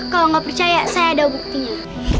kalau nggak percaya saya ada buktinya